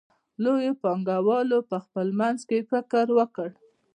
لویو پانګوالو په خپل منځ کې فکر وکړ